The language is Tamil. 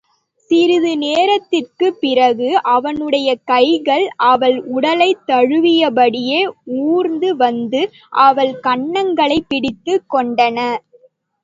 சிறிது நேரத்திற்குப் பிறகு அவனுடைய கைகள் அவள் உடலைத் தழுவியபடியே ஊர்ந்து வந்து அவள் கன்னங்களைப் பிடித்துக் கொண்டன.